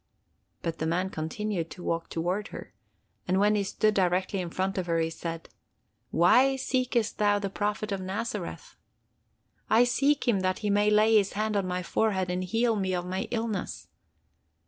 But the man continued to walk towards her, and when he stood directly in front of her, he said: 'Why seekest thou the Prophet of Nazareth?'—'I seek him that he may lay his hand on my forehead and heal me of my illness.